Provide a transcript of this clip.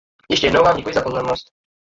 Ještě jednou vám děkuji za pozornost.